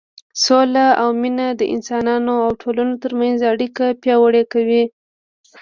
سوله او مینه د انسانانو او ټولنو تر منځ اړیکې پیاوړې کوي.